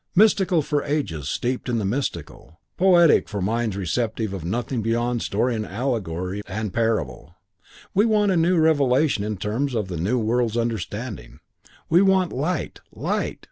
Mystical for ages steeped in the mystical; poetic for minds receptive of nothing beyond story and allegory and parable. We want a new revelation in terms of the new world's understanding. We want light, light!